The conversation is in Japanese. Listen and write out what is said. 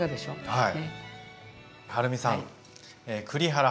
はい。